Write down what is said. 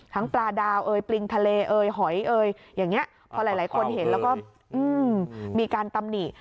ทั้งปลาดาวปริงทะเลหอยพอหลายคนเห็นแล้วก็มีการตำหนี่